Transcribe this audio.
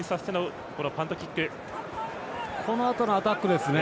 このあとのアタックですね。